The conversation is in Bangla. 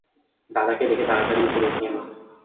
দাদাকে দেখে তাড়াতাড়ি উপরে উঠে এল।